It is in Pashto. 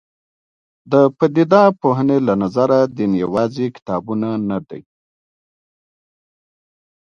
د پدیده پوهنې له نظره دین یوازې کتابونه نه دي.